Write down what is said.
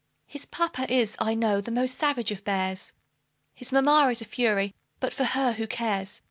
His papa is, I know, the most savage of bears, His mamma is a fury; but for her who cares?